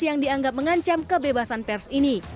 yang dianggap mengancam kebebasan pers ini